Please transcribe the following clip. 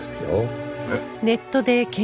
えっ？